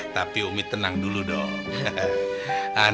tapi umi tenang dulu dong